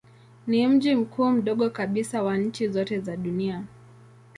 Ni mji mkuu mdogo kabisa wa nchi zote za dunia.